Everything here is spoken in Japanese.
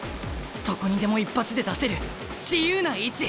どこにでも一発で出せる自由な位置。